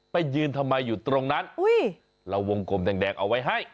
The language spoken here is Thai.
ไปยืนทำไมอยู่ตรงนั้นเราวงกลมแดงเอาไว้ให้